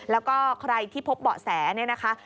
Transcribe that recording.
แล้วก็ใครที่พบเบาะแสเนี่ยนะคะ